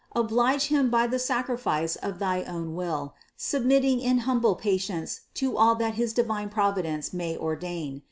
Oblige Him by the sacrifice of thy own will, submitting in humble patience to all that his divine Providence may ordain.